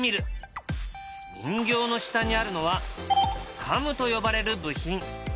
人形の下にあるのは「カム」と呼ばれる部品。